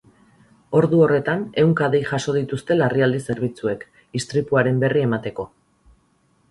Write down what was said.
Ordu horretan, ehunka dei jaso dituzte larrialdi zerbitzuek, istripuaren berri emateko.